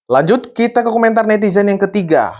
lanjut kita ke komentar netizen yang ketiga